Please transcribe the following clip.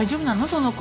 その子。